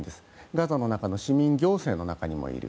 ガザの中の市民行政の中にもいる。